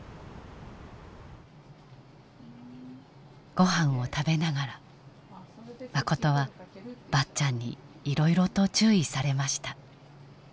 ごはんを食べながらマコトはばっちゃんにいろいろと注意されました。